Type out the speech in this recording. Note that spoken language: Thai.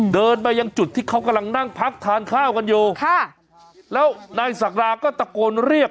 เดินมายังจุดที่เขากำลังนั่งพักทานข้าวกันอยู่ค่ะแล้วนายศักราก็ตะโกนเรียก